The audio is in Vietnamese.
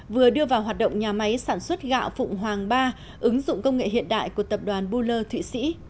vừa đưa vào hoạt động nhà máy sản xuất gạo phụng hoàng ba ứng dụng công nghệ hiện đại của tập đoàn buller thụy sĩ